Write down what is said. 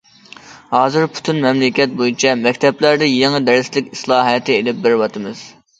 ھازىر پۈتۈن مەملىكەت بويىچە مەكتەپلەردە يېڭى دەرسلىك ئىسلاھاتى ئېلىپ بېرىۋاتىمىز.